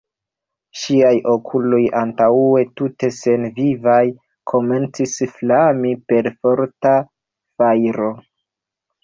Ŝiaj okuloj, antaŭe tute senvivaj, komencis flami per forta fajro.